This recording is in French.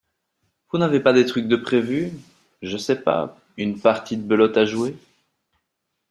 Vous n’avez pas des trucs de prévu, je sais pas, une partie de belote à jouer ?